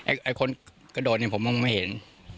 คนลึกดกระโดดทำไมผมไม่เห็น